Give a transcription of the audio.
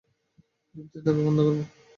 যুক্তিতর্ক বন্ধ করবো?